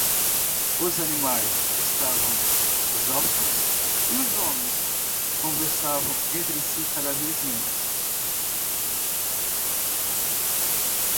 Os animais estavam exaustos? e os homens conversavam entre si cada vez menos.